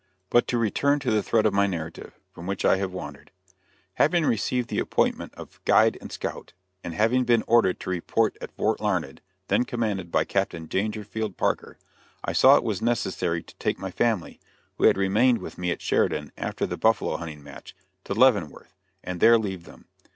But to return to the thread of my narrative, from which I have wandered. Having received the appointment of guide and scout, and having been ordered to report at Fort Larned, then commanded by Captain Dangerfield Parker, I saw it was necessary to take my family who had remained with me at Sheridan, after the buffalo hunting match to Leavenworth, and there leave them.